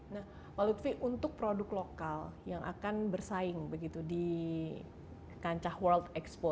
nah pak lutfi untuk produk lokal yang akan bersaing begitu di kancah world expo